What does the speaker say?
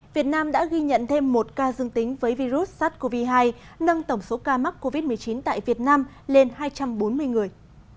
việt nam đã ghi nhận thêm một ca dương tính với virus sars cov hai nâng tổng số ca mắc covid một mươi chín tại việt nam lên hai trăm bốn mươi người